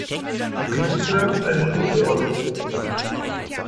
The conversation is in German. Dem Chauffeur kommt eine Schlüsselrolle zu.